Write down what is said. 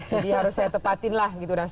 jadi harus saya tepatin lah gitu